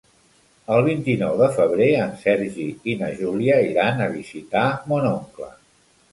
El vint-i-nou de febrer en Sergi i na Júlia iran a visitar mon oncle.